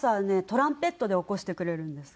トランペットで起こしてくれるんです。